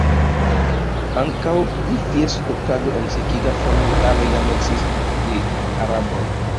Ankaŭ pri ties stokado en sekigita formo, italoj jam eksciis de araboj.